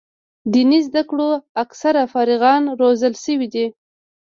دیني زده کړو اکثره فارغان روزل شوي دي.